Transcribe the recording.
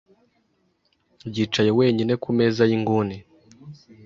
yicaye wenyine kumeza yinguni.